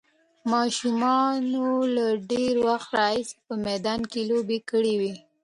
ماشومانو له ډېر وخت راهیسې په میدان کې لوبې کړې وې.